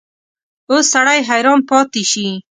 اوس سړی حیران پاتې شي.